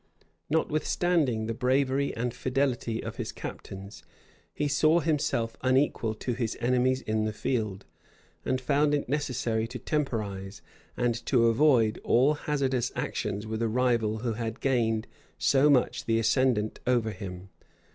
Notwithstanding the bravery and fidelity of his captains, he saw himself unequal to his enemies in the field; and found it necessary to temporize, and to avoid all hazardous actions with a rival who had gained so much the ascendant over him.